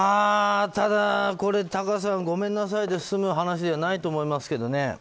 ただタカさん、ごめんなさいで済む話じゃないと思いますけどね。